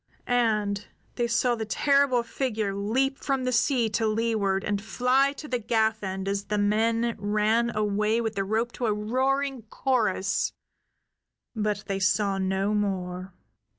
And they saw the terrible figure leap from the sea to leeward and fly to the gaff end as the men ran away with the rope to a roaring chorus. But they saw no more.